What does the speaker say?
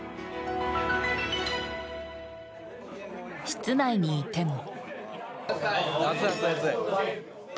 室内にいても。